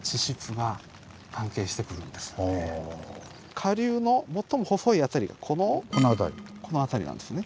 下流の最も細い辺りがこの辺りなんですね。